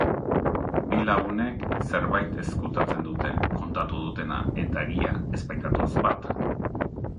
Bi lagunek zerbait ezkutatzen dute, kontatu dutena eta egia ez baitatoz bat.